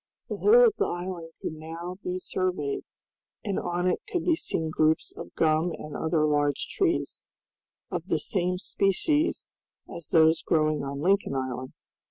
The whole of the island could now be surveyed, and on it could be seen groups of gum and other large trees, of the same species as those growing on Lincoln Island.